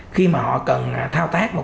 khi mà họ cần thao tác một cách khác